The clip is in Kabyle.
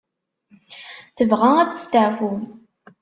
Tebɣa ad testaɛfu.